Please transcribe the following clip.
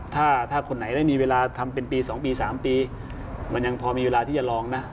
ถ้าคนไหนได้มีเวลาทำเป็นปี๒ปี๓ปีมันยังพอมีเวลาที่จะลองนะ